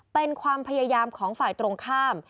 เป็นความพยายามของฝ่ายตรงข้าม